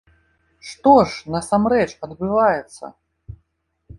Што ж насамрэч адбываецца?